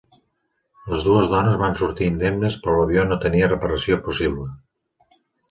Les dues dones van sortir indemnes però l'avió no tenia reparació possible.